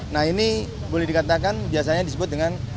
nah ini boleh dikatakan biasanya disebut dengan